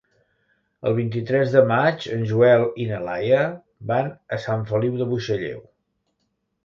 El vint-i-tres de maig en Joel i na Laia van a Sant Feliu de Buixalleu.